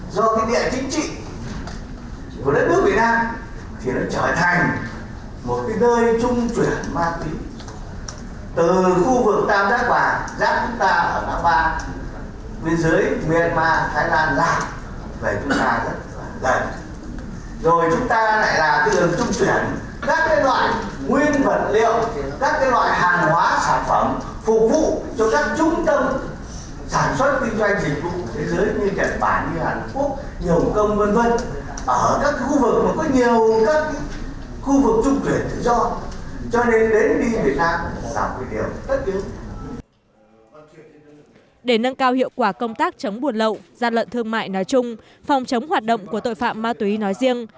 để nâng cao hiệu quả công tác chống buồn lậu gian lận thương mại nói chung phòng chống hoạt động của tội phạm ma túy nói riêng